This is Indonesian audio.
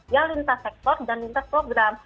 ya lintas sektor dan lintas program